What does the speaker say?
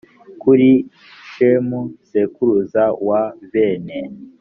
kuri shemu sekuruza wa bene